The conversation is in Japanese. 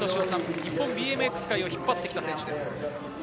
日本ＢＭＸ界を引っ張ってきた選手です。